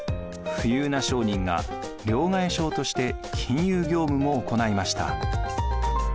富裕な商人が両替商として金融業務も行いました。